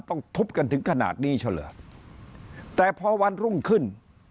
ต้องทุบกันถึงขนาดนี้เช่าเหรอแต่พอวันรุ่งขึ้น